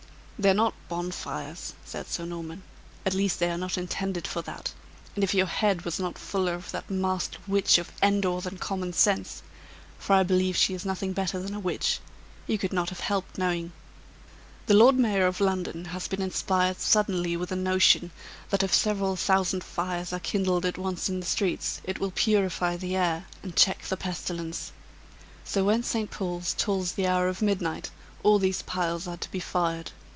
"They're not bonfires," said Sir Norman; "at least they are not intended for that; and if your head was not fuller of that masked Witch of Endor than common sense (for I believe she is nothing better than a witch), you could not have helped knowing. The Lord Mayor of London has been inspired suddenly, with a notion, that if several thousand fires are kindled at once in the streets, it will purify the air, and check the pestilence; so when St. Paul's tolls the hour of midnight, all these piles are to be fired.